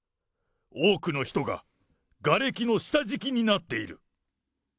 多くの人ががれきの下敷きになっている。